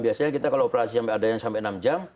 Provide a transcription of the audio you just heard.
biasanya kita kalau operasi sampai ada yang sampai enam jam